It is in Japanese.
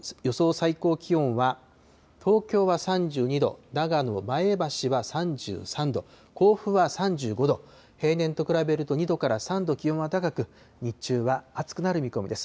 最高気温は東京は３２度、長野、前橋は３３度、甲府は３５度、平年と比べると２度から３度気温は高く、日中は暑くなる見込みです。